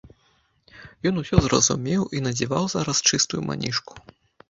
Ён усё зразумеў і надзяваў зараз чыстую манішку.